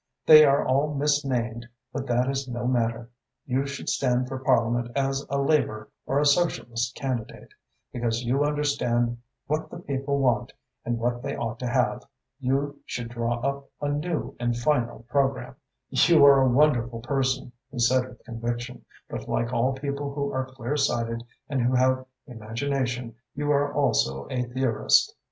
They are all misnamed but that is no matter. You should stand for Parliament as a Labour or a Socialist candidate, because you understand what the people want and what they ought to have. You should draw up a new and final programme." "You are a wonderful person," he said with conviction, "but like all people who are clear sighted and who have imagination, you are also a theorist.